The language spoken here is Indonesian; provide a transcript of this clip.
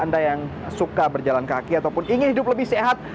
anda yang suka berjalan kaki ataupun ingin hidup lebih sehat